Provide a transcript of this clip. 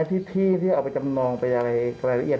พระเจ้าใช่ใจมากไหนจะอยากเรียบร้อย